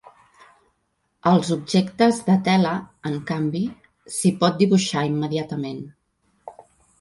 Als objectes de tela, en canvi, s'hi pot dibuixar immediatament.